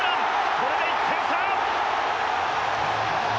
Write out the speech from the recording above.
これで１点差。